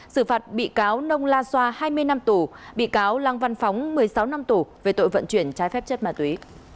xử phạt bị cáo nông la xoa hai mươi năm tù bị cáo lăng văn phóng một mươi sáu năm tù về tội vận chuyển trái phép chất ma túy